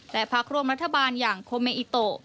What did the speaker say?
และพักร่วมรัฐบาลอย่างโคเมอิโต